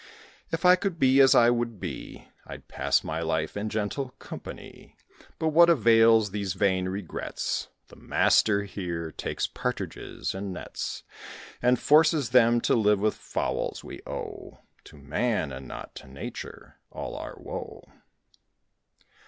If I could be as I would be, I'd pass my life in gentle company. But what avails these vain regrets? The master here takes Partridges in nets, And forces them to live with Fowls. We owe To man, and not to Nature, all our woe."